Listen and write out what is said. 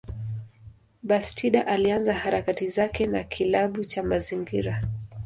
Bastida alianza harakati zake na kilabu cha mazingira.